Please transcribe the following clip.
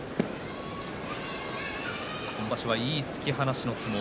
今場所はいい突き放しの相撲。